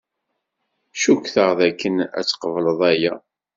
Cukkteɣ dakken ad tqebleḍ aya.